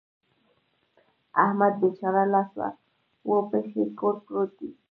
احمد بېچاره لاس و پښې کور پروت دی.